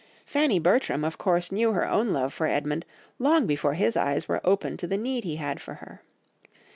Fanny Bertram of course knew her own love for Edmund long before his eyes were opened to the need he had for her.